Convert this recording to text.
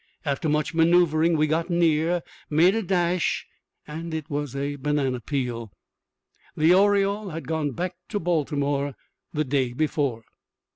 After much maneuvering we got near, made a dash and it was a banana peel! The oriole had gone back to Baltimore the day before.